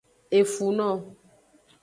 Efuno.